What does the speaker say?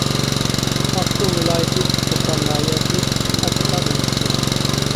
ئاقسۇ ۋىلايىتى ئۇچتۇرپان ناھىيەسى ئاچاتاغ يېزىسى